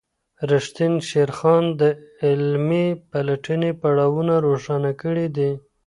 ریښتین شیرخان د علمي پلټني پړاوونه روښانه کړي دي.